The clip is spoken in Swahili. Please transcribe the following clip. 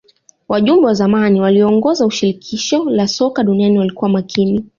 wajumbe wa zamani waliyoongoza shirikisho la soka duniani walikuwa makini